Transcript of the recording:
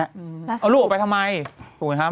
เอาลูกออกไปทำไมถูกไหมครับ